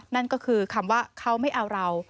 นั่นก็คือคำว่าเขาไม่เอาเรา